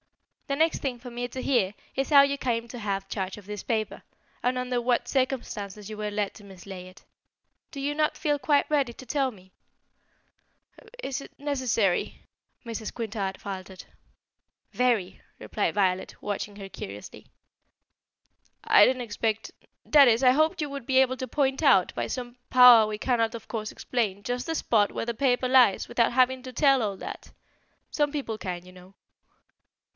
The next thing for me to hear is how you came to have charge of this paper, and under what circumstances you were led to mislay it. Do you not feel quite ready to tell me?" "Is is that necessary?" Mrs. Quintard faltered. "Very," replied Violet, watching her curiously. "I didn't expect that is, I hoped you would be able to point out, by some power we cannot of course explain, just the spot where the paper lies, without having to tell all that. Some people can, you know."